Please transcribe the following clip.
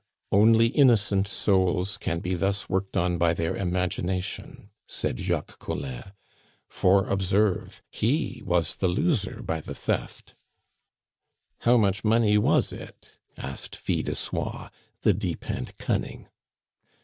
"Only innocent souls can be thus worked on by their imagination," said Jacques Collin. "For, observe, he was the loser by the theft." "How much money was it?" asked Fil de Soie, the deep and cunning.